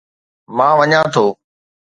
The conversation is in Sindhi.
مان وڃان ٿو.